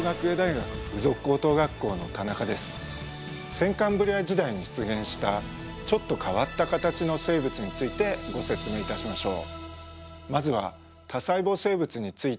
先カンブリア時代に出現したちょっと変わった形の生物についてご説明いたしましょう。